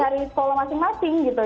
dari sekolah masing masing gitu